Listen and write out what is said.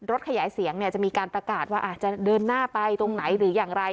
รถขยายเสียงเนี่ยจะมีการประกาศว่าอาจจะเดินหน้าไปตรงไหนหรืออย่างไร